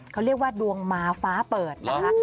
เขาเรียกว่าดวงมาฟ้าเปิดนะคะ